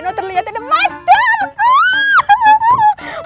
nggak terlihat ada mas dulku